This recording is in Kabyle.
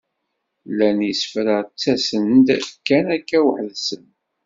Llan yisefra ttasen-d kan akka weḥd-sen.